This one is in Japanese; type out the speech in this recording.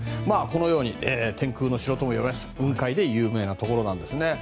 このように天空の城とも呼ばれる雲海で有名なところなんですね。